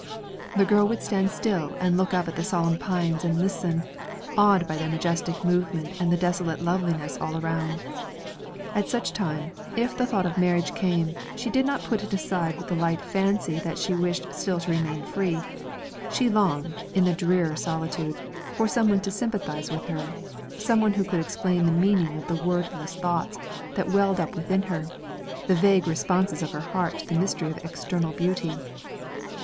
The girl would stand still and look up at the solemn pines and listen, awed by their majestic movement and the desolate loveliness all around. At such time, if the thought of marriage came, she did not put it aside with the light fancy that she wished still to remain free; she longed, in the drear solitude, for some one to sympathise with her, some one who could explain the meaning of the wordless thoughts that welled up within her, the vague response of her heart to the mystery of external beauty.